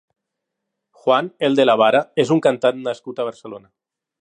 Juan el de la Vara és un cantant nascut a Barcelona.